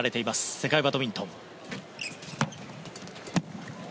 世界バドミントン。